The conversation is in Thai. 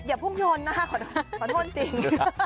อย่าพุ่งโยนนะค่ะขออนุญาตจริง